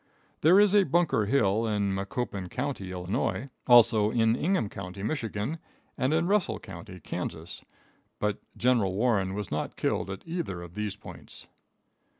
There is a Bunker Hill in Macoupin County, Illinois, also in Ingham County, Michigan, and in Russell County, Kansas, but General Warren was not killed at either of these points.